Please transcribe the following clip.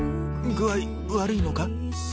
具合悪いのか？